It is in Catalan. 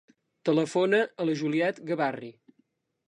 Telefona a la Juliette Gabarri.